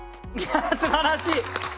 すばらしい！